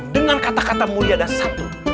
dengan kata kata mulia dan satu